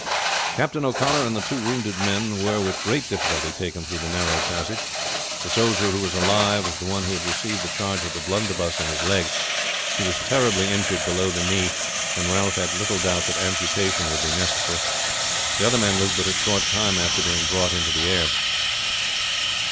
Captain O'Connor and the two wounded men were with great difficulty taken through the narrow passage. The soldier who was alive was the one who had received the charge of the blunderbuss in his legs; he was terribly injured below the knee, and Ralph had little doubt that amputation would be necessary. The other man lived but a short time after being brought into the air.